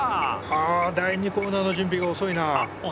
あ第２コーナーの準備が遅いな。